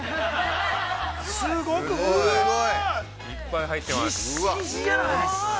すごい！◆いっぱい入っています。